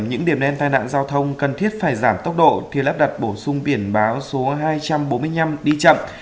những điểm đen tai nạn giao thông cần thiết phải giảm tốc độ thì lắp đặt bổ sung biển báo số hai trăm bốn mươi năm đi chậm